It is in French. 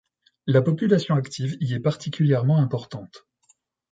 La population active y est particulièrement importante.